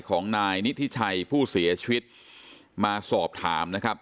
ของนายนิธิชัยผู้เสียชีวิตมาสอบถามนะครับ